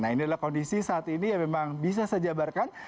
nah ini adalah kondisi saat ini yang memang bisa saya jabarkan